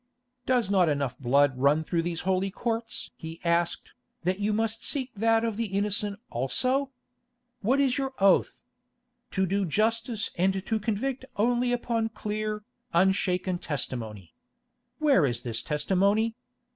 "Does not enough blood run through these holy courts?" he asked, "that you must seek that of the innocent also? What is your oath? To do justice and to convict only upon clear, unshaken testimony. Where is this testimony?